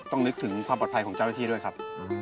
ต้องนึกถึงความปลอดภัยของเจ้าอาทิตย์ด้วยครับ